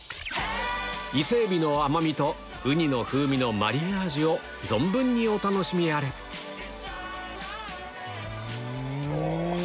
伊勢海老の甘みとウニの風味のマリアージュを存分にお楽しみあれうん！